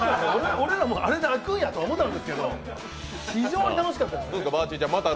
俺らも、あれで開くんやと思ったんですけど、非常に楽しかったですね。